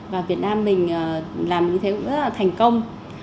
và việt nam mình làm như thế cũng rất là thành công